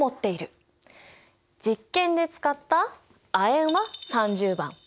実験で使った亜鉛は３０番。